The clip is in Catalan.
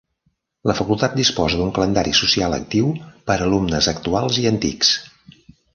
La facultat disposa d'un calendari social actiu per alumnes actuals i antics.